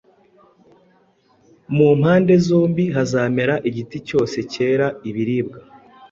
mu mpande zombi, hazamera igiti cyose cyera ibiribwa,